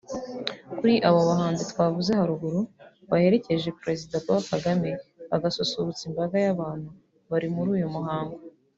Kuri abo bahanzi twavuze haruguru baherekeje Perezida Paul Kagame bagasusurutsa imbaga y’abantu bari muri uyu muhango